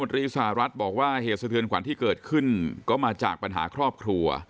พลตมริสารรัฐบอกว่าเหตุเสดียรขวัญที่เกิดขึ้นก็มาจากปัญหาครอบครัว